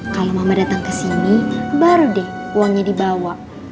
kalau mama datang kesini baru deh uangnya dibawa